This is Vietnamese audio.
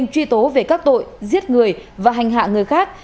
truy tố về các tội giết người và hành hạ người khác